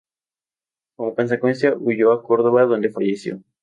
Como consecuencia huyó a Córdoba, donde falleció.